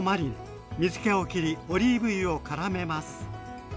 水けを切りオリーブ油をからめます。